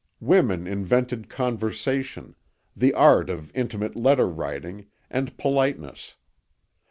Women invented conversation, the art of intimate letter writing, and politeness.